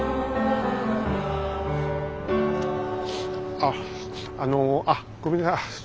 ああのあごめんなさい。